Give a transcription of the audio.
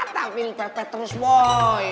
tapi lu pepet terus boy